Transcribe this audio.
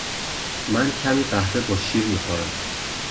من کمی قهوه با شیر می خورم.